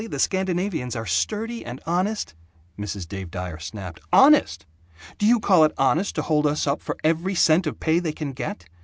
The Scandinavians are sturdy and honest " Mrs. Dave Dyer snapped, "Honest? Do you call it honest to hold us up for every cent of pay they can get?